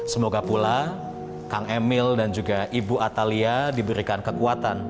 semoga pula kang emil dan juga ibu atalia diberikan kekuatan